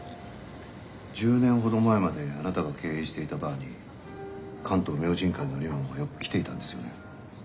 １０年ほど前まであなたが経営していたバーに「関東明神会」の龍門がよく来ていたんですよね？